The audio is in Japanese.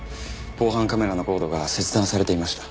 防犯カメラのコードが切断されていました。